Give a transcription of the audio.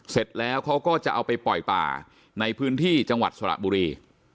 เสร็จแล้วเขาก็จะเอาไปปล่อยป่าในพื้นที่จังหวัดสระบุรี